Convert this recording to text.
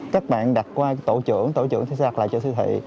các bạn đặt qua tổ trưởng tổ trưởng sẽ xác lại cho siêu thị